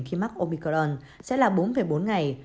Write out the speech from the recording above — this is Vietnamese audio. khi mắc omicron sẽ là bốn bốn ngày